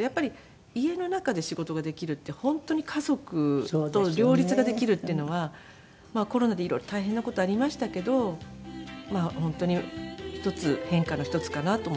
やっぱり家の中で仕事ができるって本当に家族と両立ができるっていうのはコロナで色々大変な事ありましたけど本当に変化の一つかなと思っています。